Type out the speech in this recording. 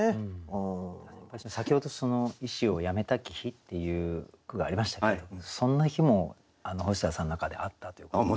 先ほどその「医師をやめたき日」っていう句がありましたけれどそんな日も細谷さんの中であったということですか？